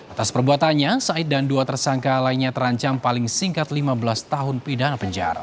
atas perbuatannya said dan dua tersangka lainnya terancam paling singkat lima belas tahun pidana penjara